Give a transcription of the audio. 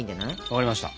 わかりました。